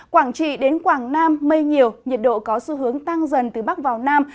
quảng trị đến quảng nam mây nhiều nhiệt độ có xu hướng tăng dần từ bắc vào nam